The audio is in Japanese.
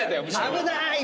危なーい！